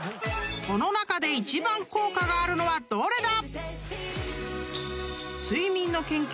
［この中で一番効果があるのはどれだ？］